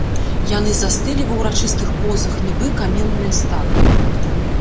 Яны застылі ва ўрачыстых позах, нібы каменныя статуі.